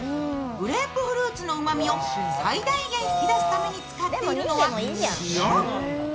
グレープフルーツのうまみを最大限引き出すために使っているのは塩。